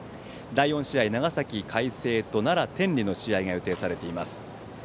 第４試合は長崎・海星と奈良・天理の試合が予定されています。